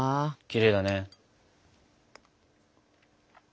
きれいだね。